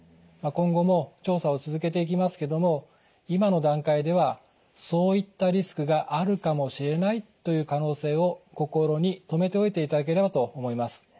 今後も調査を続けていきますけども今の段階ではそういったリスクがあるかもしれないという可能性を心に留めておいていただければと思います。